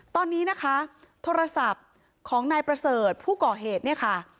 ตอนนี้นะคะโทรศัพท์ของนายประเสริฐผู้ก่อเหตุเนี่ยค่ะ